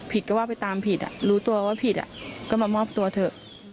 ก็ว่าไปตามผิดรู้ตัวว่าผิดก็มามอบตัวเถอะ